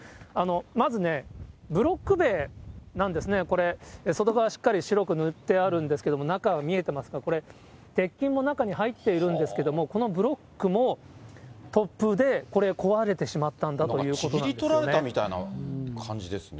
まずね、ブロック塀なんですね、これ、外側は白く塗ってあるんですけれども、中は見えていますが、これ、鉄筋も中に入っているんですけれども、このブロックも突風でこれ、壊れてしまったんだということなんですね。